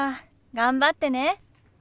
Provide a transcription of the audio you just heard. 頑張ってね。